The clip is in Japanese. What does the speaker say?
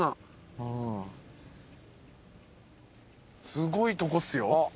すごいとこっすよ。